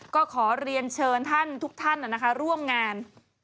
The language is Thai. ก็ขอเรียนเชิญทุกท่านนะนะคะร่วมงาน